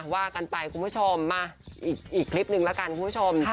ว่ากันไปคุณผู้ชมมาอีกคลิปนึงละกันคุณผู้ชม